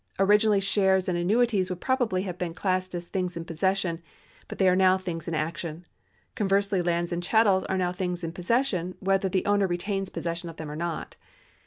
Originally shares and annuities would probably have been classed as things in })ossession, but they are now things in action. Conversely lands and chattels arc now things in possession, whether the owner retains possession of them or not.